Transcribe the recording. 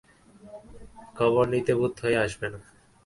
খবর নিতে বোধ হয় আসবে না?